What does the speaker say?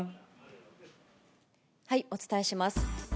お伝えします。